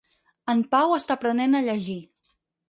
En Pau està aprenent a llegir.